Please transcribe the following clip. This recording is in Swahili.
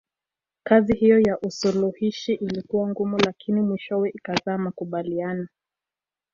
Kazi hiyo ya usuluhishi ilikuwa ngumu lakini mwishowe ikazaa makubaliano